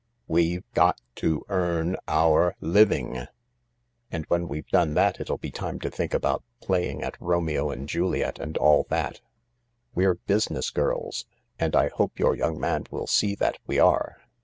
We've— got to— <earn— our— living. And when we've done that 96 THE LARK it'll be time to think about playipg at Romeo and Juliet and $11 that. We're business girls ^i^ I hope you? young man will see that we are."